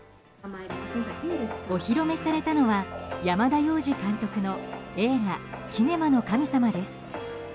お披露目されたのは山田洋次監督の映画「キネマの神様」です。